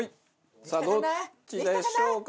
さあどっちでしょうか？